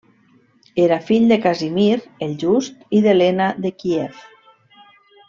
Era fill de Casimir el Just i d'Helena de Kíev.